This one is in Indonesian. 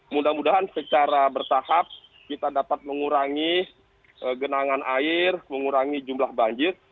mudah mudahan secara bertahap kita dapat mengurangi genangan air mengurangi jumlah banjir